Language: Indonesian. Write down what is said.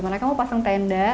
mereka mau pasang tenda